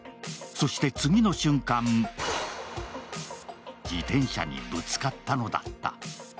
そして、次の瞬間、自転車にぶつかったのだった。